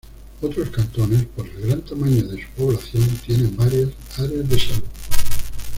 Otros Cantones, por el gran tamaño de su población, tienen varias Áreas de Salud.